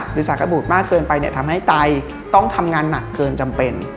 สากบูดมากเกินไปเนี่ยทำให้ไตต้องทำงานหนักเกินจำเป็น